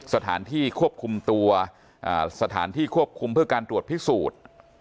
สถานที่ควบคุมตัวสถานที่ควบคุมเพื่อการตรวจพิสูจน์